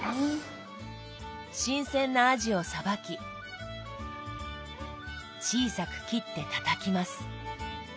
新鮮なあじをさばき小さく切ってたたきます。